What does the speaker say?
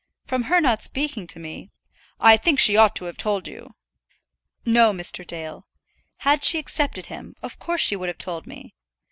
From her not speaking to me " "I think she ought to have told you." "No, Mr. Dale. Had she accepted him, of course she would have told me.